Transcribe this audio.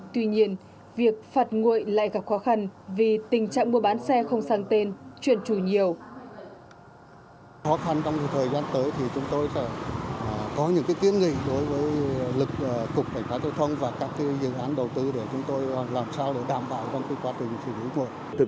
tuy nhiên việc phạt nguội lại gặp khó khăn vì tình trạng mua bán xe không sang tên chuyển trù nhiều